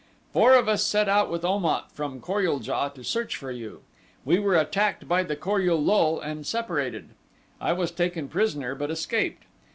Four of us set out with Om at from Kor ul JA to search for you. We were attacked by the Kor ul lul and separated. I was taken prisoner, but escaped.